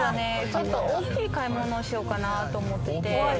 ちょっと大きい買い物をしようかなと思って。